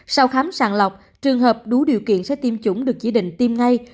sau khám sàng lọc trường hợp đủ điều kiện sẽ tiêm chủng được chỉ định tiêm ngay